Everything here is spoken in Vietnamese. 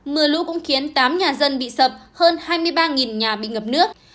mưa lũ cũng khiến tám nhà dân bị sập hơn hai mươi ba nhà bị ngập nước